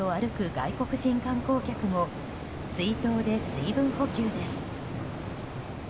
外国人観光客も水筒で水分補給です。